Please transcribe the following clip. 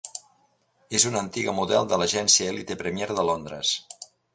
És una antiga model de l'agència Elite Premier de Londres.